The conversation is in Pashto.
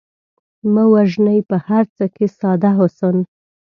مه وژنئ په هر څه کې ساده حسن